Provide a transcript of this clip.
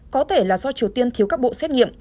có thể là do triều tiên thiếu các bộ xét nghiệm